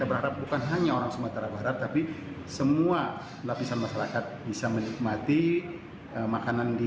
makanan di bas bokap ini